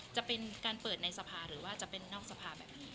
จะเป็นการเปิดในสภาหรือว่าจะเป็นนอกสภาแบบนี้